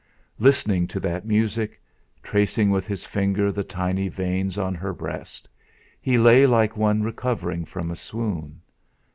Listening to that music, tracing with his finger the tiny veins on her breast, he lay like one recovering from a swoon.